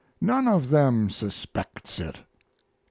None of them suspects it.